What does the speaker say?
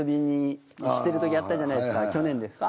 去年ですか。